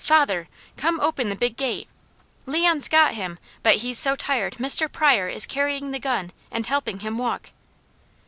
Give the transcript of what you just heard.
Father! Come open the Big Gate. Leon's got him, but he's so tired Mr. Pryor is carrying the gun, and helping him walk!"